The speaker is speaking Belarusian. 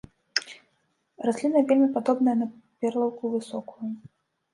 Расліна вельмі падобная на перлаўку высокую.